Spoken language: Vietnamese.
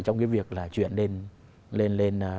trong cái việc là chuyển lên